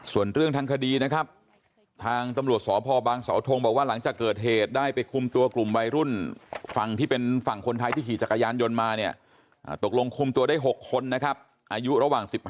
ส่วนเรื่องทางคดีนะครับทางตำรวจสภบางศาสน์บอกว่าหลังจากเกิดเหตุได้ไปคุมตัวกลุ่มรุ่นฝั่งที่เป็นฝั่งคนไทยที่ขี่จักรยานยนต์มาเนี่ยตกลงคุมตัวได้๖คนนะครับอายุระหว่าง๑๕๒๑ปีนะครับเดี๋ยวจะขายายผลด้วยนะฮะตอนนี้ขยายผล